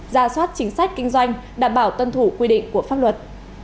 ra soát chính sách kinh doanh đảm bảo tuân thủ quy định của pháp luật